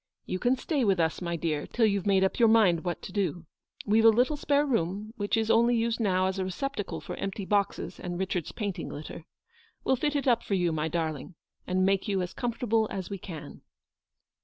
You can stay with us, my dear, till you've made up your mind what to do. We've a little spare room, which is only used now as a receptacle for empty boxes and RAchard , s painting litter. We'll fit it up for you, my darling, and make you as comfortable as we can."